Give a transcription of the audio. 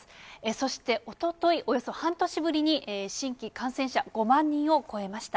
そしておととい、およそ半年ぶりに新規感染者５万人を超えました。